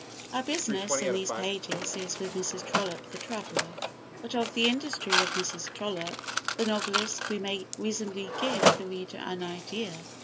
Our business in these pages is with Mrs. Trollope the traveller, but of the industry of Mrs. Trollope the novelist we may reasonably give the reader an idea.